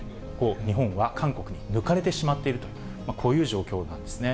日本は韓国に抜かれてしまっているという、こういう状況なんですね。